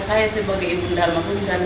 saya sebagai ibu dalma kuning dan